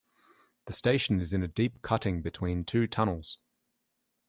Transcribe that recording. The station is in a deep cutting between two tunnels.